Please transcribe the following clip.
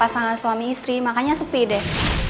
pasangan suami istri makanya sepi deh